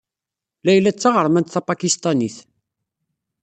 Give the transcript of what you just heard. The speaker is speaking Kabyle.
Layla d taɣermant tapakistanit.